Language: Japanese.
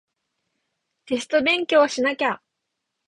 テスト勉強しなきゃ